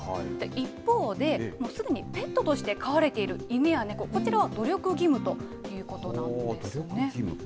一方で、すでにペットとして飼われている犬や猫、こちらは努力義務ということなんですね。